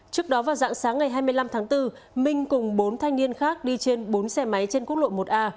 trước đó vào dạng sáng ngày hai mươi năm tháng bốn minh cùng bốn thanh niên khác đi trên bốn xe máy trên quốc lộ một a